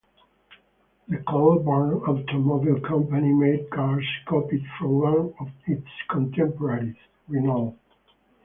The Colburn Automobile Company made cars copied from one of its contemporaries, Renault.